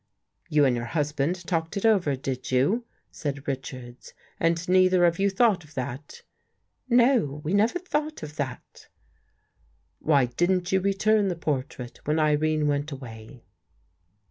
" You and your husband talked it over, did you," 134 THE FIRST CONFESSION said Richards, " and neither of you thought of that? ''" No, we never thought of that." " Why didn't you return the portrait when Irene went away?